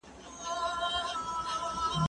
که وخت وي، سبزیجات وچوم!.